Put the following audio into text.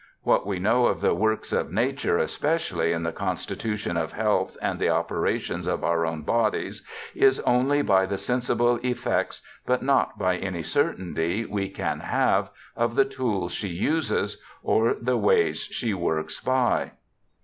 What we know of the works of nature, especially in the constitution of health and the operations of our own bodies, is only by the sensible effects, but not by any cer tainty we can have, of the tools she uses, or the ways she works by.'